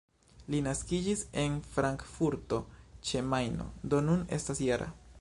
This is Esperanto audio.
Li naskiĝis en Frankfurto ĉe Majno, do nun estas -jara.